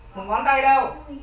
một ngón tay đâu